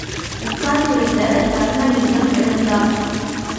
உட்கார்ந்திருந்த தருமலிங்கம் எழுந்தார்!